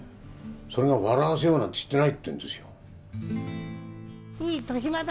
それが笑わせようなんてしてないって言うんですよ。